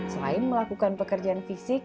selain melakukan pekerjaan fisik